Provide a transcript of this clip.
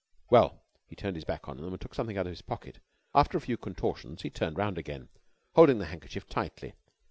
Well," he turned his back on them and took something out of his pocket. After a few contortions he turned round again, holding the handkerchief tightly.